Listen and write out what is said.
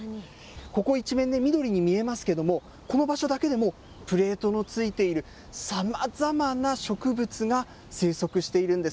ここ一面、緑に見えますけども、この場所だけでもプレートの付いているさまざまな植物が生息しているんです。